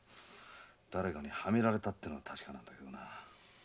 誰かにはめられたのは確かなんだがな。